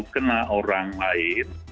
kena orang lain